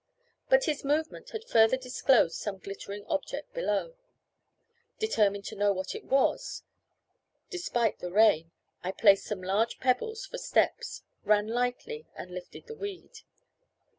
But his movement had further disclosed some glittering object below. Determined to know what it was, despite the rain, I placed some large pebbles for steps, ran lightly, and lifted the weed.